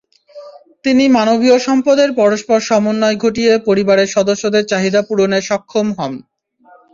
তিনি মানবীয় সম্পদের পরস্পর সমন্বয় ঘটিয়ে পরিবারের সদস্যদের চাহিদা পূরণে সক্ষম হন।